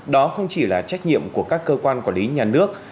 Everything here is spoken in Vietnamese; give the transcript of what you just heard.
đó không chỉ là trách nhiệm của các cơ quan quản lý nhà nước